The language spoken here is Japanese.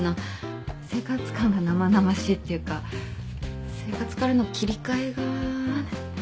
生活感が生々しいっていうか生活からの切り替えが。